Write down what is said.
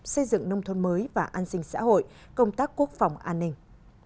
xây dựng nông thôn mới và an sinh xã hội công tác quốc phòng an ninh